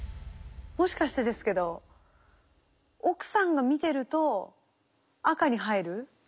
もしかしてですけど奥さんが見てると赤に入る？